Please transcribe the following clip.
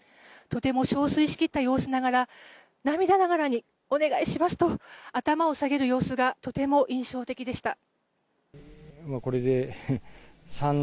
とても憔悴しきった様子ながら涙ながらにお願いしますと頭を下げる様子がとても印象的でした。